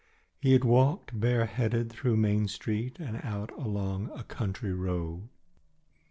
He had walked bareheaded through Main Street and out along a country road.